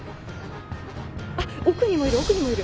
あっ、奥にもいる、奥にもいる。